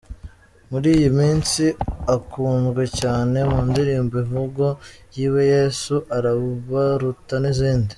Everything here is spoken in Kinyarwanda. Muri iyi minsi akunzwe cyane mu ndirimbo 'Imvugo yiwe', 'Yesu arabaruta' n'izindi.